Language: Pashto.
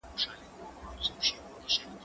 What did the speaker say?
زه موسيقي اورېدلې ده؟